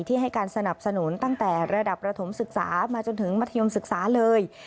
ให้การสนับสนุนตั้งแต่ระดับประถมศึกษามาจนถึงมัธยมศึกษาเลย